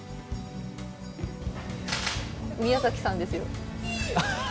宮崎さんですよ。